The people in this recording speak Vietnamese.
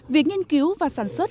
việc nghiên cứu và sản xuất